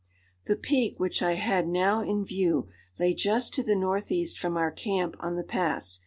The peak which I had now in view lay just to the northeast from our camp on the pass.